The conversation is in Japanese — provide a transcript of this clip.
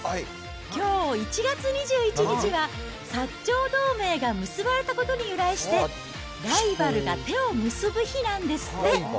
きょう１月２１日は、薩長同盟が結ばれたことに由来して、ライバルが手を結ぶ日なんですって。